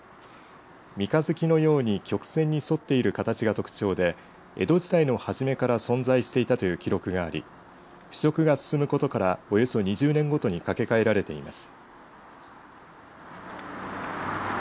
三日月のように曲線に反っている形が特徴で江戸時代の初めから存在していたという記録があり腐食が進むことからおよそ２０年ごとに架け替えられています。